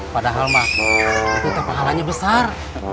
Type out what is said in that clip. padahal mah itu terpahalanya besar